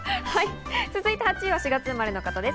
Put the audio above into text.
続いて８位は４月生まれの方です。